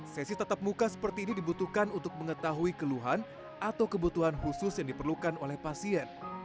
sesi tetap muka seperti ini dibutuhkan untuk mengetahui keluhan atau kebutuhan khusus yang diperlukan oleh pasien